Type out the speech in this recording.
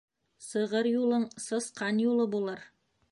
Сығыр юлың сысҡан юлы булыр.